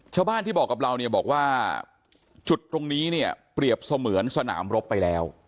ชาวบ้านที่บอกกับเราเนี่ยบอกว่าจุดตรงนี้เนี่ยเปรียบเสมือนสนามรบไปแล้ว